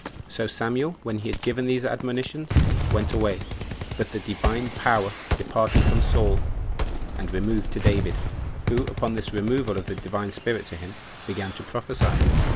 2. So Samuel, when he had given him these admonitions, went away. But the Divine Power departed from Saul, and removed to David; who, upon this removal of the Divine Spirit to him, began to prophesy.